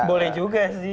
boleh juga sih